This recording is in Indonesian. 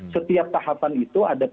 setiap tahapan itu ada